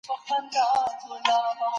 دا نيم کيلو دئ.